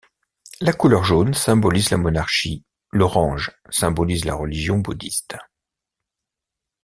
La couleur jaune symbolise la monarchie, l'orange symbolise la religion bouddhiste.